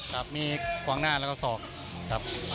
ครับมีขวางหน้าแล้วก็ศอกครับ